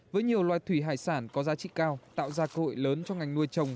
với nhiều loài thủy hải sản có giá trị cao tạo ra cơ hội lớn cho ngành nuôi trồng